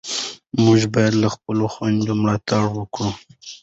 موږ باید له خپلو خویندو ملاتړ وکړو.